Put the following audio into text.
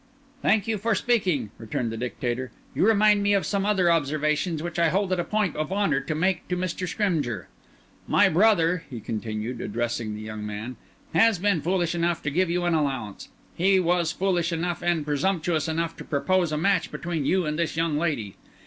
"Thank you for speaking," returned the Dictator. "You remind me of some other observations which I hold it a point of honour to make to Mr. Scrymgeour. My brother," he continued, addressing the young man, "has been foolish enough to give you an allowance; he was foolish enough and presumptuous enough to propose a match between you and this young lady.